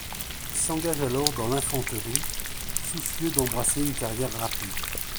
Il s'engage alors dans l'Infanterie, soucieux d'embrasser une carrière rapide.